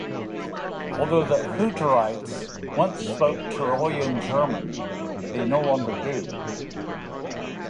Although the Hutterites once spoke Tirolean German, they no longer do.